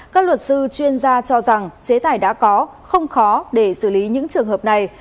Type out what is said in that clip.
các luật sư chuyên gia cho rằng chế tài đã có không khó để xử lý những trường hợp này